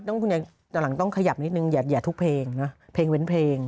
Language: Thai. อันนี้ก็ต้องขยับนิดนึงอย่าทุกเพลงนะเพลงเป็นเพลง